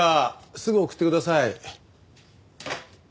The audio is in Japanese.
すぐ送ってください。